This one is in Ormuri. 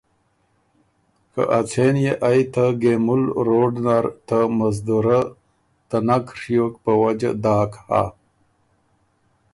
که ا څېن يې ائ ته ګېمُل روډ نر ته مزدورۀ ته نک ڒیوک په وجه داک هۀ